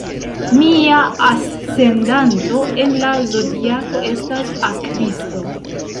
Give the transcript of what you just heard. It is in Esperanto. Mia ascendanto en la zodiako estas Akvisto.